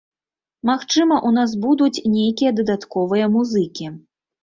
Магчыма, у нас будуць нейкія дадатковыя музыкі.